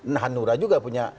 nahnura juga punya